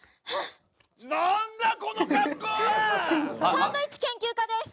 サンドイッチ研究家です。